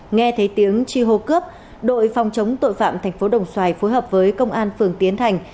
nghe thấy tiếng chi hô cướp đội phòng chống tội phạm thành phố đồng xoài phối hợp với công an phường tiến thành